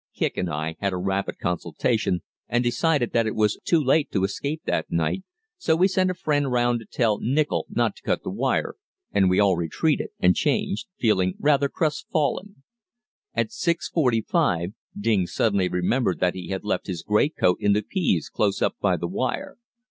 Kicq and I had a rapid consultation, and decided that it was too late to escape that night, so we sent a friend round to tell Nichol not to cut the wire, and we all retreated and changed, feeling rather crestfallen. At 6.45 Ding suddenly remembered that he had left his greatcoat in the peas close up by the wire.